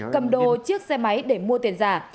cầm đồ chiếc xe máy để mua tiền giả